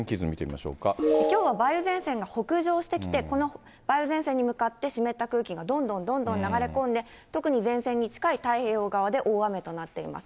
きょうは梅雨前線が北上してきて、この梅雨前線に向かって、湿った空気がどんどんどんどん流れ込んで、得に前線に近い太平洋側で大雨となっています。